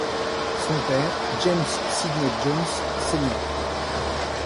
Son père, James Sidney Jones Sr.